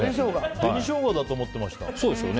紅ショウガだと思ってました。